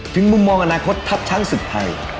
ถึงมุมมองอนาคตทับทั้งสุดไทย